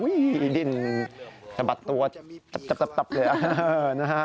โอ้โฮดินสะบัดตัวจับเลยนะฮะ